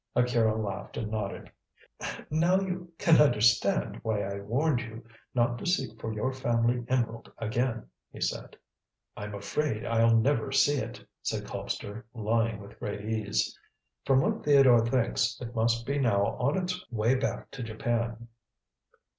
Akira laughed and nodded. "Now you can understand why I warned you not to seek for your family emerald again," he said. "I'm afraid I'll never see it," said Colpster, lying with great ease. "From what Theodore thinks, it must be now on its way back to Japan."